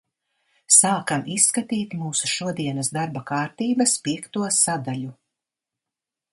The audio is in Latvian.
Sākam izskatīt mūsu šodienas darba kārtības piekto sadaļu.